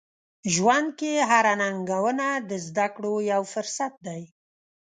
ژوند کې هره ننګونه د زده کړو یو فرصت دی.